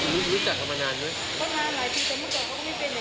คิดไปก็มีในนี้คือถ้าเกี่ยวสองชุดมีเงินมีคนใส่เงินไม่ใช่คิด๖๐๐หนึ่งทำไหน